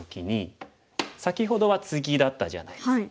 先ほどはツギだったじゃないですか。